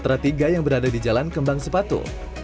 antara tiga yang berada di jalan kembang sepatu